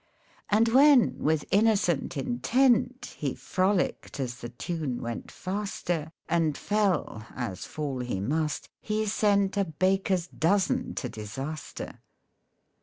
And when, with innocent intent, He frolicked as the tune went faster, And fell as fall he must he sent A baker's dozen to disaster.